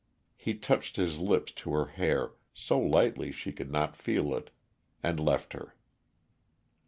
He touched his lips to her hair, so lightly she could not feel it, and left her.